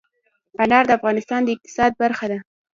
انار د افغانستان د اقتصاد برخه ده.